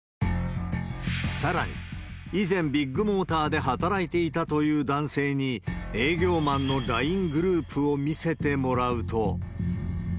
さらに、以前ビッグモーターで働いていたという男性に、営業マンのＬＩＮＥグループを見せてもらうと。